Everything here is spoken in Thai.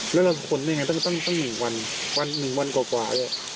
แล้วมันผลได้ยังไงตั้ง๑วันกว่ากว่า